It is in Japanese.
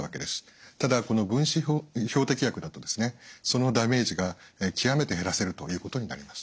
ただこの分子標的薬だとそのダメージが極めて減らせるということになります。